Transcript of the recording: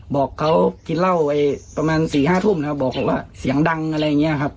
บอกเขากินเหล้าไปประมาณ๔๕ทุ่มนะครับบอกเขาว่าเสียงดังอะไรอย่างนี้ครับ